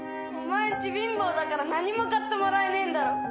お前んち貧乏だから何も買ってもらえねえんだろ。